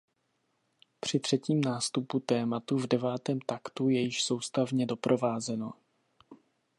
Při třetím nástupu tématu v devátém taktu je již soustavně doprovázeno.